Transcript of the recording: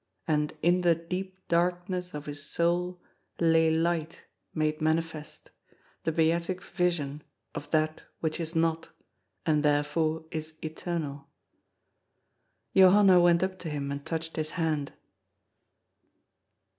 And in the deep darkness of his soul lay Light made mani fest, the Beatific Vision of that which is not, and therefore is eternal. Johanna went up to him and touched his hand.